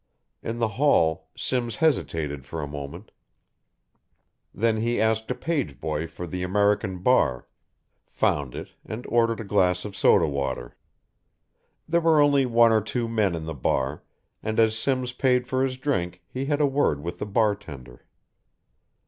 In the hall Simms hesitated for a moment, then he asked a page boy for the American bar, found it and ordered a glass of soda water. There were only one or two men in the bar and as Simms paid for his drink he had a word with the bar tender.